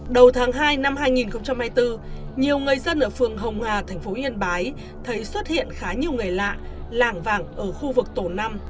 đầu tháng hai năm hai nghìn hai mươi bốn nhiều người dân ở phường hồng hà thành phố yên bái thấy xuất hiện khá nhiều người lạ vàng ở khu vực tổ năm